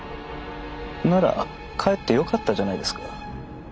ならかえってよかったじゃないですか。